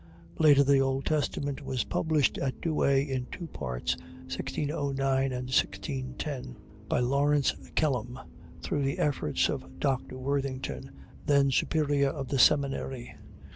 Later the Old Testament was published at Douay in two parts (1609 and 1610) by Laurence Kellam through the efforts of Dr. Worthington, then superior of the seminary.